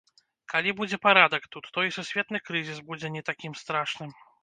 Калі будзе парадак тут, то і сусветны крызіс будзе не такім страшным?